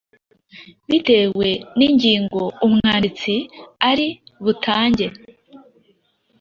Bitewe n’ingingo umwanditsi ari butange,